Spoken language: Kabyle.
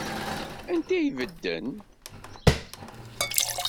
Anta i ibedden?